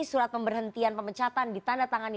surat pemberhentian pemecatan ditanda tangani